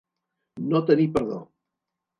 No tenir perdó.